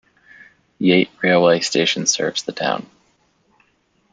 Yate railway station serves the town.